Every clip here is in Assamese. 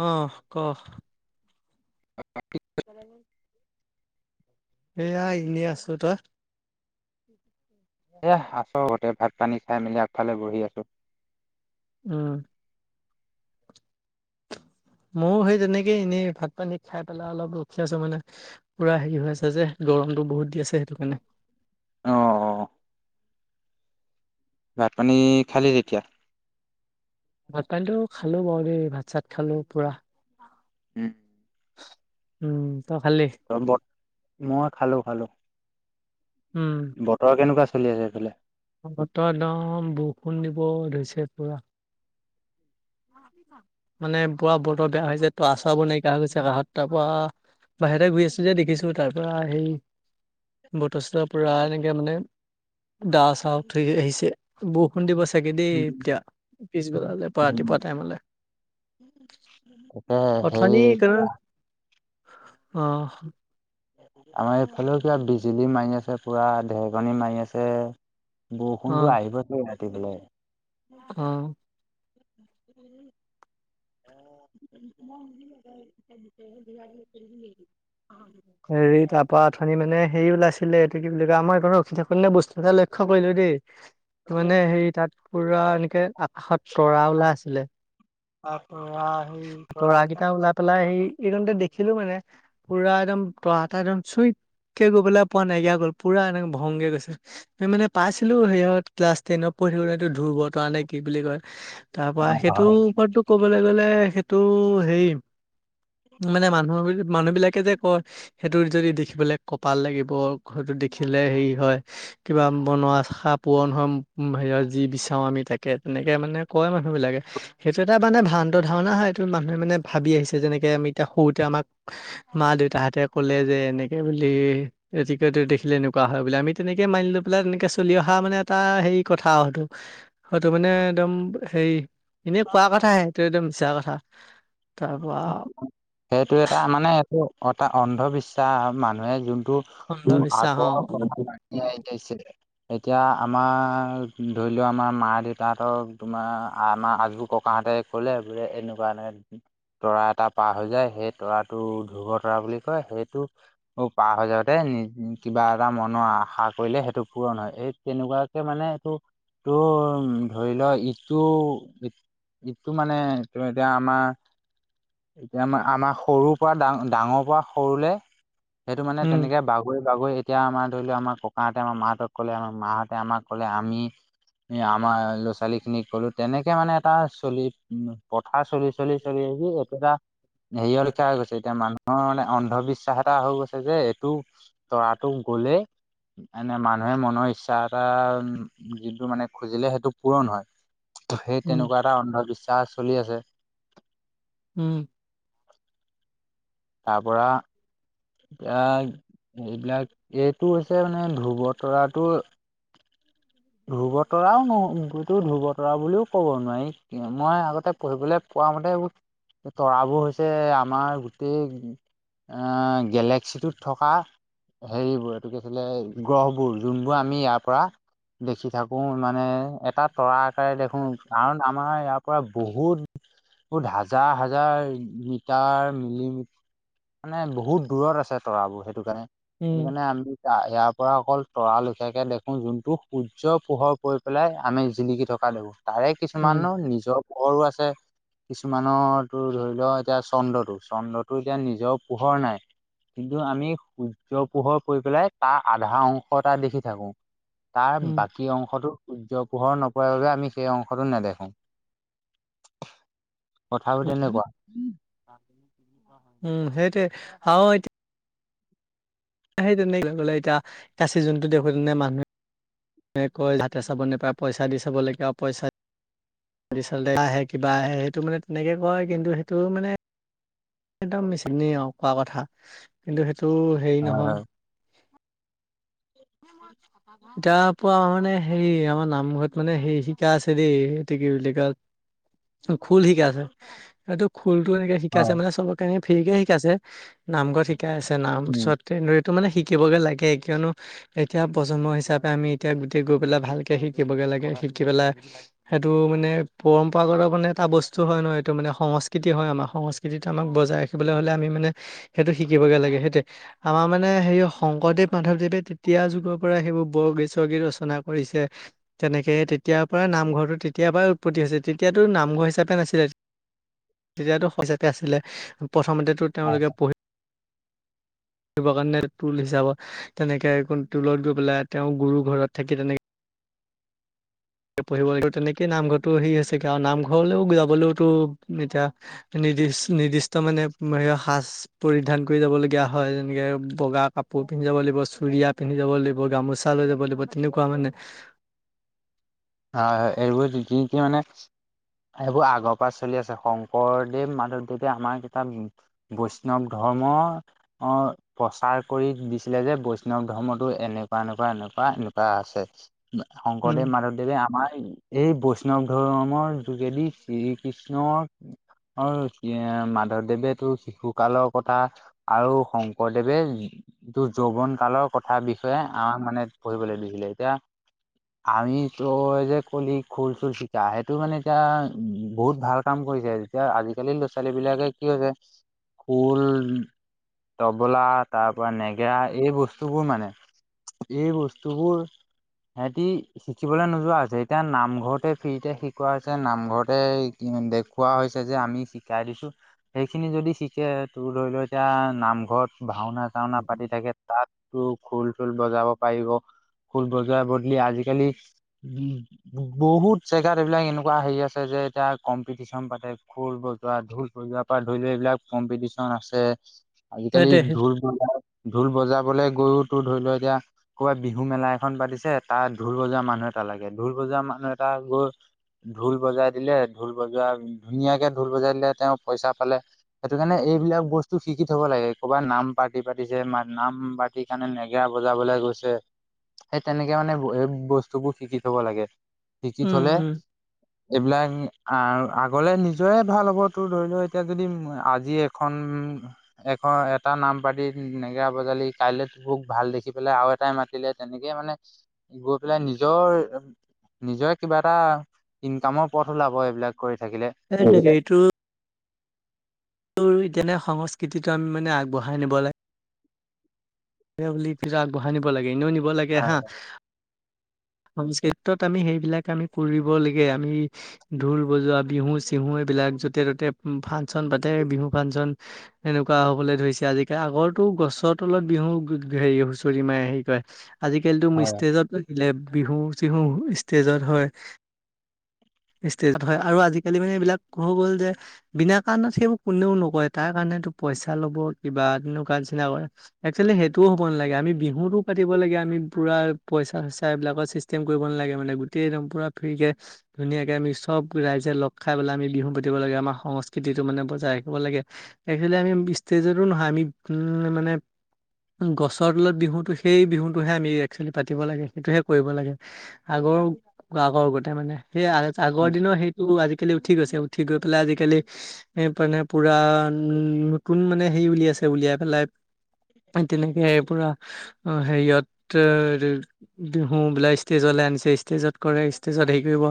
অহ ক [inaudible] [inaudible] এয়া এনেই আছো তই? এয়া আছোঁ গতে ভাত পানী চাই মেলি আগফালে বহি আছোঁ উম ময়ো সেই তেনেকে এনেই ভাত পানী খাই পেলাই অলপ ৰখি আছো মানে পুৰা হেৰি হৈ আছে যে গৰমতটো বহুত দি আছে সেইটো কাৰণে অ', অ', ভাত পানী খালি তেতিয়া ভাত পানী খালো বাৰু দেই ভাত চাত খালো পুৰা উম, [inaudible] উম ত খালি? ব মই খালো, খালো উম বতৰ কেনেকুৱা চলি আছে এইফালে বতৰ একদম বৰষুণ দিব ধৰিছে পৰা মানে বৰা বতৰ বেয়া হৈছে ত [unintelligible] গৈছে কষত তাৰ পৰা বাহিৰতে ঘুৰি আছো যে দেখিছো তাৰ পৰা সেই বতৰ সতৰ পুৰা এনেকে মানে দা চাহ থৈ আহিছে বৰষুণ দিব চাগে দেই এতিয়া পিছবেলালে বা ৰাতি উ, উ, [inaudible] অঠনি কে আহ। আমাৰ এইফালে পৰা বিজুলী মাৰি আছে পুৰা ধেৰকনী মাৰি আছে। অ বৰষুণটো আহিব দে ৰাতি পেলাই। অ, উম, [inaudible] [inaudible] হেৰি তাৰপা আথানি মানে হেৰি ওলাইছিলে এইটো কি বুলি কয় আমাৰ এই ৰখি থাকো নে বস্তু ত লৈখো কৰিলো দেই, মানে হেৰি তাত পুৰা এনেকে আকাশত চৰা ওলাই আছিলে তৰাকেইটা ওলাই পেলাই সেই এইদতে দেখ দেখিলো মানে পুৰা একদম তৰাটা একদম চুইতকে গৈ পলৈ পোৱা নাইকিয়া গ'ল পুৰা একদম খংগে গৈছে মানে পাইছিলো সিহঁত ক্লাছ টেনত পঢ়ি [unintelligible] এইটো ধুৰব তৰা নে কি বুলি কয় তাৰ পৰা সেইটোৰ ওপৰতো ক'বলৈ গ'লে সেইটো হেৰি মানে মানুহৰ মানুহ বিলাক কৈ যে কয় সেইটো যদি দেখিবলে কপাল লাগিব সেইটো দেখিলে হেৰি হয় কিবা। মনৰ আশা পূৰণ হয় হেৰিয়ত যি বিচাৰো আমি তাকে তেনেকে মানে কয় মানুহ বিলাকে। সেইটো এটা মানে ভান্ত ধাৰণা হয় মানুহে মানে ভাবি আহিছে যেনেকে আমি এতিয়া সৰুতে আমাক মা দেউতাহতে ক'লে যে এনেকে বুলি এতিকটো দেখিলে এনেকুৱা হয় বুলি আমি তেনেকে মানি লৈ পেলাই তেনেকে চলি অহা টা মানে এটা হেৰি কথা সেইটো। হয়টো মানে একদম হেৰি এনেই কোৱা কথাহে সটো একদম মিছাৰ কথা। তাৰ পৰা সেইটো এটা মানে এইটো এটা অন্ধবিশ্বাস মানুহে যোন টো অন্ধবিশ্বাস অ আগৰ পৰা [inaudible] যাইছে এতিয়া আমাৰ ধৰি লও আমাৰ মাৰ দেউতাহতক তোমাৰ আমাৰ আজোৰ ককা তাহতে ক'লে বোলে এনেকুৱা তৰা এটা পাৰ হৈ যায় সেই তৰাটো ধুব তৰা বুলি কয় সেইটো পাৰ হৈ যাওঁতে। কিবা এটা মনৰ আশা কৰিলে সেইটো পূৰণ হয় এই তেনেকুৱাকে মানে এইটো টো ধৰি লোৱা ইটো, এইটো মানে এতিয়া আমাৰ এতিয়া আমাৰ আমাৰ সৰুৰ পৰা ডাঙ ডাঙৰ পৰা সৰুলে সেইটো মানে উম তেনেকে বাগৰি বাগৰি এতিয়া আমাৰ। ধৰি লও আমাৰ ককাহঁতে আমাৰ মাহঁতক ক'লে আমাৰ মাহঁতে আমাক ক'লে আমি এ আমাৰ ল'ৰা ছলী খিনিক ক'লো তেনেকে মানে এটা চলি উ কথা চলি চলি [unintelligible] এইটো এটা হেৰিয় লিখা হৈ গৈছে এতিয়া মানুহৰ মানে অন্ধবিশ্বাস এটা হৈ গৈছে, যে এইটো তৰাটো গলেই এনে মানুহে মনৰ ইচ্ছা এটা যিটো মানে খুজিলে সেইটো পূৰণ হয়। সেই উম, তেনেকুৱা এটা অন্ধবিশ্বাস চলি আছে উম তাৰ পৰা এয়া এইবিলাক এইটো হৈছে মানে ধ্ৰবত তৰাটো উ ধ্ৰুৱতৰাও নহয় হেইতো ধ্ৰুব তৰা বুলিও ক'ব নোৱাৰি মই আগতে পঢ়িবলৈ পোৱা মান তে এই তৰাবোৰ হৈছে আমাৰ গোটেই এ গেলেক্সিটোত থকা হেৰিবোৰ এইটো কি আছিলে গ্ৰহবোৰ যোনবোৰ আমি ইয়াৰ পৰা দেখি থাকো মানে এটা তৰা আকাৰে দেখো কাৰণ আমাৰ ইয়াৰ পৰা বহুত বহুত হাজাৰ হাজাৰ মিটাৰ মিলিমি মানে বহুত দূৰত আছে তৰাবোৰ সেইটো কাৰণে সেইটো উম, কাৰণে আমি ইয়াৰ পৰা অকল তৰালখীয়াকৈ দেখোঁ যোনটো সূৰ্য পোহৰ পৰি পেলাই আমি জিলিকি থকা দেখোঁ তাৰে উম, কিছুমানো নিজৰ পোহৰো আছে কিছুমানৰ তোৰ ধৰি ল এতিয়া চন্দ্ৰটো চন্দ্ৰটো এতিয়া নিজৰ পোহৰ নাই কিন্তু আমি সূৰ্য পোহৰ পৰি পেলাই তাৰ আধা অংশ এটা দেখি থাকো। তাৰ উম, বাকী অংশতো সূৰ্য পোহৰ ন বাবে আমি সেই অংশটো নেদেখো কথাবোৰ তেনেকুৱা উম সেইটোৱে হা এতিয়া সেই তেনে গলে এতিয়া কাচি জোনটো দেখো তেনে মানুহে কৈ হাতে চাব নাপায় পইচা দি চাব লাগে আৰু পইচা আহে কিবা আহে সেইটো মানে তেনেকে কয় কিন্তু সেইটো মানে একদম চিনি আৰু কোৱা কথা কিন্তু সেইটো হেৰি হয় নহয় হয় তাৰ পৰা মানে হেৰি আমাৰ নামঘৰত মানে সেই শিকা আছে দেই সেইটো কি বুলি কয় খোল শিকাই আছে সটো খোলতটো এনেকে শিকাই আছে হয় মানে চব কাৰনে ফ্ৰীকে শিকাইছে নামঘৰত শিকাই আছে নাম উম চত কে তটো মানে শিকিবগে লাগে কিয়নো এতিয়া প্ৰজন্ম হিচাপে আমি এতিয়া গোটেই গৈ পেলাই ভালকে শিকিবগে লাগে শিকি পেলাই সেইটো মানে পৰম্পৰাগত মানে এটা বস্তু হয় নয় এইটো মানে সংস্কৃতি হয় আমাৰ সংস্কৃতিটো আমাক বজাই ৰাখিব লাগ তে হ'লে আমি মানে সেইটো শিকিবগে লাগে সেইটোে আমাৰ মানে হেৰি শংকৰদেৱ মাধৱদেৱে তেতিয়া যুগৰ পৰা সেইবোৰ বৰগীত সৰ্গীত ৰচনা কৰিছে তেনেকে তেতিয়াৰ পৰা নামঘৰটোো তেতিয়া এয়বাৰ উৎপত্তি হৈছে তেতিয়াতো নামঘৰ হিচাপে নাছিলে তেতিয়াতো হিচাপে আছিলে প্ৰথমতেতো হয় তেওঁলোকে পঢ়ি ৰ কাৰণে টোল হিচাপত তেনেকে টোলত গৈ পেলাই তেওঁ গুৰু ঘৰত থাকি তেনেকে পঢ়িব লাগিব তেনেকে নামঘৰটো হে হৈছেে আৰু নামঘৰলেও যাবলৈওতো এতিয়া নিজ নিৰ্দিষ্ট মানে সাজ পৰিধান কৰি যাবলগীয়া হয় যেনেকে বগা কাপোৰ পিন্ধ যাব লাগিব চুৰিয়া পিন্ধি যাব লাগিব গামোচা লৈ যাব লাগিব তেনেকুৱা মানে অ এইবোৰ কি কি মানে এইবোৰ আগৰ পৰা চলি আছে শংকৰদেৱ মাধৱদেৱে আমাৰ এটা বৈষ্ণৱ ধৰ্ম কৰ্ম প্ৰচাৰ কৰি দিছিলে যে বৈষ্ণৱ ধৰ্মটো এনেকুৱা এনেকুৱা এনেকুৱা এনেকুৱা আছে উম শংকৰদেৱ মাধৱদেৱ আমাৰ এই বৈষ্ণৱ ধৰ্মৰ যোগেদি শ্ৰীকৃষ্ণৰ আৰু মাধৱদেৱেতো শিশু কালৰ কথা আৰু শংকৰদেৱে এইটো যৌৱন কালৰ কথা বিষয়ে আমাক মানে পঢ়িবলৈ দিছিলে। এতিয়া আমি তই যে কলি খোল চুল চিকা সেইটো মানে এতিয়া উ বহুত ভাল কাম কৰিছে এতিয়া আজি। আজিকালি ল'ৰা ছোৱালীবিলাকে কি হৈছে খুল তবলা তাৰ পৰাৰা নেগেৰা এই বস্তু বস্তুবোৰ মানে এই বস্তুবোৰ সিহতি শিকিবলৈ নোযোৱা হৈছে এতিয়া নামঘৰতে ফ্ৰীতে শিকোৱা হৈছে নামঘৰতে দেখুওৱা হৈছে যে আমি শিকাই দিছো সেইখিনি যদি শিকে তোৰ ধৰি ল এতিয়া নামঘৰত ভাওনা চাওনা পাতি থাকে তাত খোল চুল বজাব পাৰিব। খুল বজোৱা বদলি আজিকালি উম, বহুত জেগাত এইবিলাক এনেকুৱা হেৰি আছে যে এতিয়া কম্পিটিচন পাতে খোল বজোৱা ঢোল বজোৱাৰ পৰা ধৰি লোৱা এইবিলাক কম্পিটিশন আছে। আজিকালি সেইটোৱে সেই ঢোল বজা ঢোল বজাবলে গৰু তো ধৰি লও এতিয়া ক'ৰবাত বিহু মেলা এখন পাতিছে তাত ঢোল বজোৱা মানুহে এটা লাগে ঢোল বজা মানুহ এটা গৈ ঢোল বজাই দিলে ঢোল বজাই ধুনীয়াকে ঢোল বজাই দিলে তেওঁ পইচা পালে সেইটো কাৰণে এইবিলাক বস্তু শিকি থ'ব লাগে ক'ৰবাত নাম পাৰ্টি পাতিছে নাম পাৰ্টিৰ কাৰণে নেগেৰা বজাবলৈ সেই তেনেকে মানে বস্তু বস্তুবোৰ শিকি থ'ব লাগে শিকি উম থলে উম এইবিলাক আগলে নিজৰে ভাল হ'ব তোৰ ধৰি লও এতিয়া যদি আজি এখন উম এশ এটা নাম পাতি নেগেৰা বজালি কাই মোক ভাল দেখি পেলাই আৰু এটাই। মা তেনেকে মানে গৈ পেলাই নি নিজৰ নিজৰে কিবা এটা ইনকামৰ পথ ওলাব এইবিলাক। কৰি থাকিলে। সেইটোৱে আৰু এতিয়ানে সংস্কৃতিটো আমি মানে আগবঢ়াই নিব লাগে। উলি পিৰা আগবঢ়াই নিব লাগে এনেও নিব লাগে হা। হয় সংস্কৃতত আমি সেইবিলাক আমি কৰিব লাগে আমি ঢোল বজোৱা বিহু চিহুৱোক। বিলাক যতে ত'তে ফাংচন পাতে বিহু ফাংচন এেনেকুৱা হ'বলৈ ধৰিছে আজিকালি আগৰতো গছৰ তলত বিহু হেৰি হুঁচৰি মাই হেৰি কয় আজিকালিতো মোৰ হয় ষ্টেজত বিহু চিহু ষ্টেজত হয়। ষ্টেজত হয় আৰু আজিকালি মানে এইবিলাক হৈ গ'ল যে বিনা কাৰণত সেইবোৰ কোনেও নকৰে তাৰ কাৰণো পইচা ল'ব কিবা তেনেকুৱা নিচিনা কৰে। একচেল টোও হ'ব নালাগে আমি বিহুতটো কাটিব লাগে আমি পূৰা পইচা চইচ এইাবিলাকৰ ছিষ্টেম কৰিব নালাগে মানে গোটেই গোইদম পুৰা ফুৰিকে ধুনীয়াকে আমি চব ৰাইজে লগ খাই পেলাই আমি বিহু পাতিব লাগে আমাৰ সংস্কৃতিত। টো মানে বজাই ৰাখিব লাগে একচুৱেলি আমি ষ্টেজতো নহয় আমি উম মানে। গছৰ তলত বিহুতো সেই বিহুতটোহে আমি একচুৱেলি পাতিব লাগে সেইটোহে কৰিব লাগে আগৰ। আগৰ আগতে মানে সেই আগৰ দিনৰ সেইটো আজি। আকালি উঠি গৈছে উঠি গৈ পেলাই আজিকালি এ মানে পুৰা উম নতুন মানে হেৰি উলিয়াইছে। উলিয়াই পেলাই তেনেকে পুৰা অ' হেৰিয়ত বিলাক ষ্টেজলৈ আনিছে ষ্টেজত কৰে ষ্টেজত হেৰি কৰিব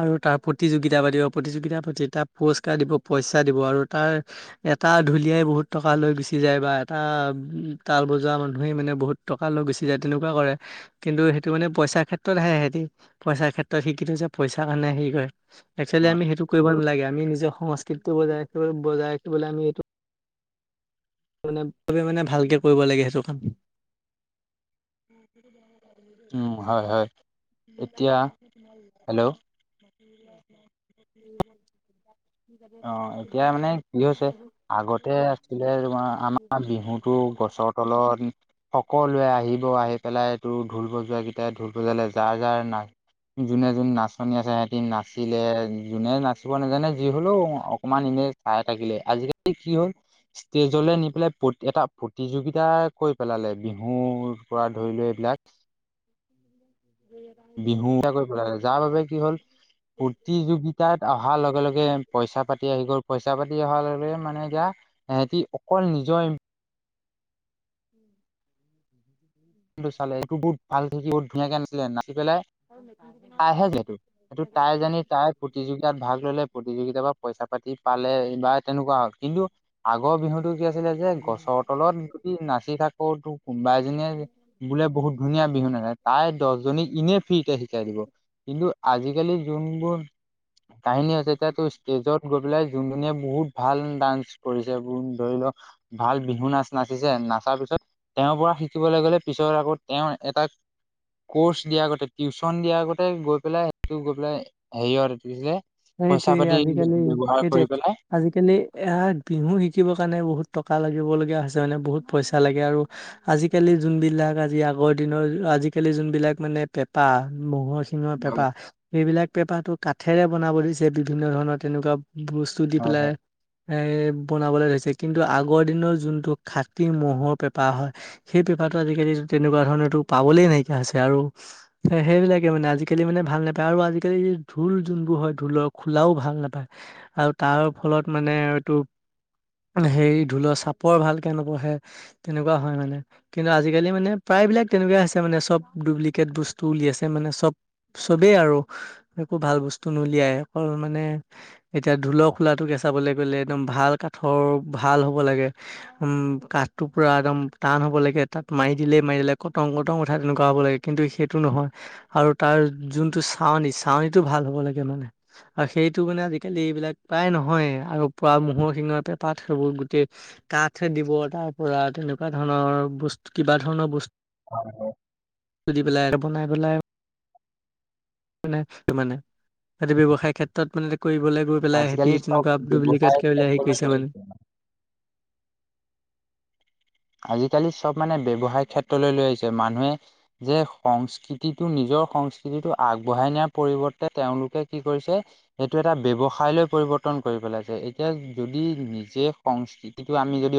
আৰু তাৰ প্ৰতিযোগিতা পাতিব প্ৰতিযোগ পতি তাক পুৰস্কাৰ দিব পইচা দিব আৰু তাৰ এটা ঢুলীয়াই বহুত টকা লৈ গুচি যায় বা। এটা উ তাল বজোৱা মানুহেই মানে বহুত টকা লৈ গুচি যায় তেনেকুৱা কৰে কিন্তু সেইটো মানে পইচাৰ ক্ষেত্ৰতহে সিহতি পইচাৰ ক্ষেত্ৰত শিকি থো যে পইচাৰ কাৰণে হেৰি কৰে একচুৱেলি আমি সেইটো কৰিব নালাগে আমি নিজৰ সংস্কৃতিটো বজাই ৰাখিব বজাই ৰাখিবলৈ আমি এইটো মানে মানে ভালকে কৰিব লাগে সেইটো কাম। উ হয় হয় এতিয়া হেল্ল' অ এতিয়া মানে কি হৈছে আগতে আছিলে তোমাৰ আমাৰ বিহু [unintelligible] আহি পেলাই তোৰ ঢোল বজোৱা কেইটাই ঢোল বজালে যাৰ যাৰ না যোনে যোনে নাচ। আচনি আছে সিহঁতি নাচিলে যোনে নাচিব নাজানে যি হ'লেও অকণমান এনেই। চাই থাকিলে আজিকালি কি হল ষ্টেজলে নি পেলাই এটা প্ৰতিযোগিতা কৈ। পেলালে বিহুৰ পৰা ধৰি লোৱা এইবিলাক [unintelligible] বিহু এ কৰিব লাগে যাৰ বাবে কি হ'ল প্ৰতিযোগিতাত অহাৰ লগে লগে পইচা পাতি আহি গ'ল পইচা পাতি অহাৰ লগে লগে মানে এতিয়া সেহেতি অকল নিজৰ [unintelligible] চালে এইটো বহুত ভাল থি বহুত ধুনীয়াকে নিলে নাচি পেলাই তাইহে যিহেতু সটো তাই জানি তাই প্ৰতিযোগিতাত ভাগ ললে প্ৰতিযোগিতাৰ পৰা পইচা পাতি প বা তেনেকুৱা হ কিন্তু আগ আগৰ বিহুটো কি আছিলে যে গছৰ তলত যদি নাচি থাকো কোনোবা এজনীয়ে বোলে বহুত ধুনীয়া বিহু নাহে তাই দহজনীক ইনে ফ্ৰীতে শিকাই দিব কিন্তু। আজিকালি যোনবোৰ কাহিনী আছে এতিয়াতো ষ্টেজত গৈ পেলাই যোন ধনীয়া বহুত। ভাল নান্স কৰিছে ব ধৰি লওক ভাল বিহু নাচ নাচিছে নাচাৰ পিছত। তেওঁৰ পৰা শিকিবলৈ গলে। পিছত আকৌ তেওঁ এটা ক'ৰ্চ দিয়াৰ আগতে টিউচন দিয়াৰ আগতে গৈ গৈ পেলাই সেইটো গৈ পেলাই হেৰি [unintelligible] সেইটোৱে আজিকালি সেইটোৱে পেলাই আজিকালি এ বিহু শিকিবৰ কাৰণে বহুত টকা লাগে। লগ মানে বহুত পইচা লাগে আৰু আজিকালি যোনবিলাক আজি আগৰ দিনৰ আজিকালি। যোনবিলাক মানে পেপা ম'হৰ শিঙৰ পেপা হয় সেইবিলাক পেপাটো কাঠেৰে বনাব দিছে বিভিন্ন ধৰণৰ তেনেকুৱা বস্তু দি হয় পেলাই হয় এ, বনাবলৈ ধৰিছে কিন্তু আগৰ দিনৰ যোনটো খাটি ম'ৰ পেঁপা হয় সেই পেঁপা আজিকালি তেনেকুৱা ধৰণৰটো পাবলে নাইকিয়া আৰু হৈছে আৰু সেইবিলাকে মানে আজিকালি মানে ভাল নাপায় আৰু আজিকালি যে ধোল যোনবোৰ হয় ঢোলৰ খোলাও ভাল নাপায় আৰু তাৰ ফলত মানে এইটো সে ঢোলৰ চাপৰ ভালকে নপঢ়ে তেনেকুৱা হয় মানে কিন্তু আজিকালি মানে প্ৰায়। প্ৰাইবিলাক তেনেকুৱা আছে মানে চব ডুপ্লিকেট বস্তু উলিয়াইছে মানে চব। চবেই আৰু একো ভাল বস্তু নুলিয়াই অকল মানে এতিয়া ঢোল খোলাটোকে চাবলৈ গ'লে একদম ভাল কাঠৰ ভাল হ'ব লাগে উম কাঠ টো পুৰা একদম টান হ'ব লাগে তাত মাৰি দিলে মাৰি কটকৈ প্ৰতং কথা তেনেকুৱা হ'ব লাগে কিন্তু সেইটো নহয় আৰু তাৰ যোনটো চাৱনী চাৱনীটো ভাল হ'ব ে [unintelligible] আৰু সেইটো মানে আজিকালি এইবিলাক প্ৰায় নহয় আৰু প ম'হৰ শিঙৰ পেঁপাত সেইবোৰ গোটেই কাঠ দিব তাৰ পৰা তেনেকুৱা ধৰণৰ বস্তু কিবা ধৰণৰ বস্তু হয়, হয় তুলি পেলাই আৰু বনাই পেলাই মে মানে সিহতে ব্য়ৱসায় ক্ষেত্ৰত মানে কৰিবলৈ গৈ পেলাই সিহতি আজিকালি চব তেনেকুৱা ব্যৱসায় ডুপ্লিকেটকে উলাই আহি ক্ষেত্ৰলৈ কৰিছে লৈ মানে গৈছে। আজিকালি চব মানে ব্যৱসায় ক্ষেত্ৰলৈ লৈ আহিছে মানুহে যে সংস্কৃতিটো নিজৰ সংস্কৃতিটো আগবঢ়াই নিয়াৰ পৰিৱৰ্তে তেওঁলোকে কি কৰিছে সেটো এটা ব্যৱসায় লৈ পৰিবৰ্ত ৱৰ্তন কৰি পেলাই যায় এতিয়া যদি নিজে সংস্কৃতিটো আমি যদি